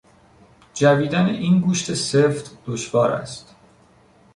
جویدن این گوشت سفت دشوار است.